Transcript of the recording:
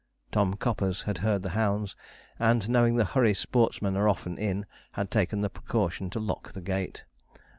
Tom Coppers had heard the hounds, and, knowing the hurry sportsmen are often in, had taken the precaution to lock the gate.